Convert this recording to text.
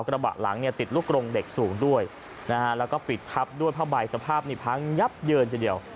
กระบะหลังเนี่ยติดลูกกรงเด็กสูงด้วยนะฮะแล้วก็ปิดทับด้วยผ้าใบสภาพนี่พังยับเยินทีเดียว